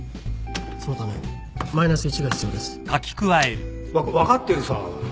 そのためマイナス１が必要です。わ分かってるさ。